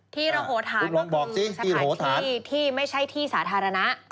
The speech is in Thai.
ระโหฐานก็คือสถานที่ที่ไม่ใช่ที่สาธารณะ